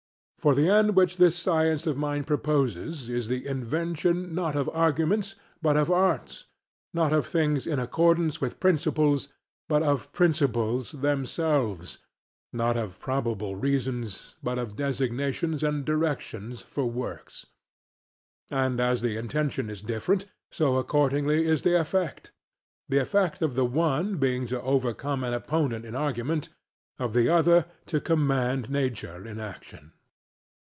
For the end which this science of mine proposes is the invention not of arguments but of arts; not of things in accordance with principles, but of principles themselves; not of probable reasons, but of designations and directions for works. And as the intention is different, so accordingly is the effect; the effect of the one being to overcome an opponent in argument, of the other to command nature in action.